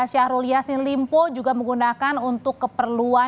syahrul yassin limpo juga menggunakan untuk keperluan